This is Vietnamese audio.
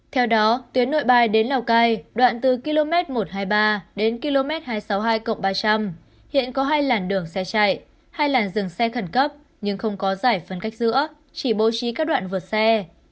theo đó tuyến nội bài đến lào cai đoạn từ km một trăm hai mươi ba đến km hai trăm sáu mươi hai ba trăm linh hiện có hai làn đường xe chạy hai làn dừng xe khẩn cấp nhưng không có giải phân cách giữa chỉ bố trí các đoạn vượt xe